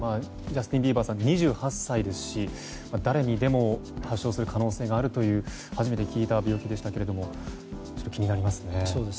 ジャスティン・ビーバーさん、２８歳ですし誰にでも発症する可能性があるという初めて聞いた病気でしたけども気になりますね。